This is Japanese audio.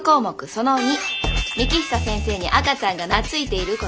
その②幹久先生に赤ちゃんが懐いている事。